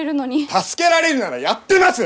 助けられるならやってます！